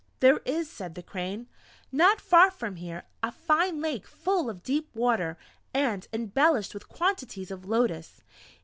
"There is," said the Crane, "not far from here, a fine Lake full of deep water, and embellished with quantities of lotus.